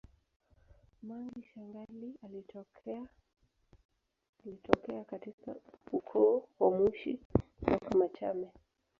Mangi shangali alitokea alitokea katika ukoo wa Mushi kutoka Machame